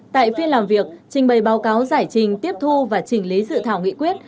tại phiên làm việc trình bày báo cáo giải trình tiếp thu và trình lý dự thảo nghị quyết